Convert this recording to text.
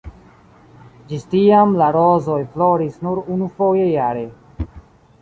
Ĝis tiam la rozoj floris nur unufoje jare.